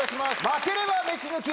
負ければ飯抜き